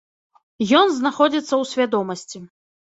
Ён знаходзіцца ў свядомасці.